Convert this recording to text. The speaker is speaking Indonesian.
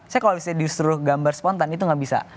saya kalau misalnya disuruh gambar spontan itu nggak bisa